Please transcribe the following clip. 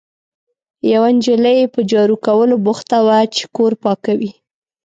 یوه نجلۍ یې په جارو کولو بوخته وه، چې کور پاکوي.